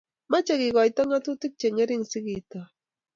mache kekoito ngatutik che ngering si ketoy